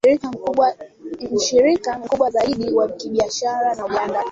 mshirika mkubwa zaidi wa kibiashara na Uganda